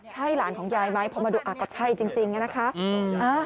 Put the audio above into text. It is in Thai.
ใช่หลานของยายไหมพอมาดูอ่ะก็ใช่จริงอย่างนี้นะคะ